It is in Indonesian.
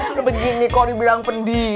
udah begini kok dibilang pendiem